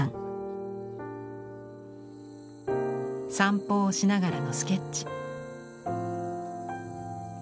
散歩をしながらのスケッチ。